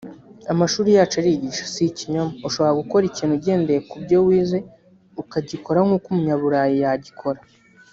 Amashuri yacu arigisha si ikinyoma ushobora gukora ikintu ugendeye kubyo wize ukagikora nkuko umunyaburayi yagikora”